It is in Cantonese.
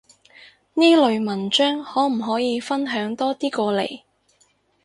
呢類文章可唔可以分享多啲過嚟？